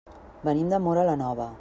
Venim de Móra la Nova.